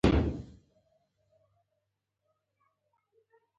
د افغانستان د اقتصادي پرمختګ لپاره پکار ده چې امنیتي کامرې وي.